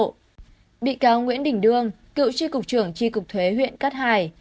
bị cáo nguyễn đình đương cựu tri cục trưởng tri cục thuế huyện cát hải